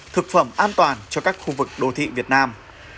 thực phẩm an toàn cho các khu vực đô thị việt nam